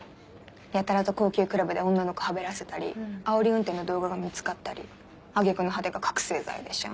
やたらと高級クラブで女の子はべらせたりあおり運転の動画が見つかったり挙げ句の果てが覚醒剤でしょ。